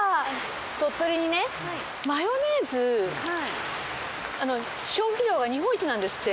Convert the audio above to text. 鳥取にねマヨネーズ消費量が日本一なんですって。